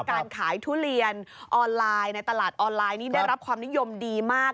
การขายทุเรียนออนไลน์ในตลาดออนไลน์นี่ได้รับความนิยมดีมาก